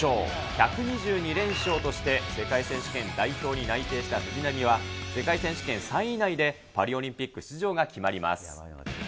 １２２連勝として、世界選手権代表に内定した藤波は、世界選手権３位以内でパリオリンピック出場が決まります。